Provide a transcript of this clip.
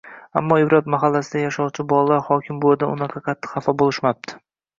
Ammo “Ibrat” mahallasida yashovchi bolalar hokim buvadan unaqa qattiq hafa boʻlishmapti.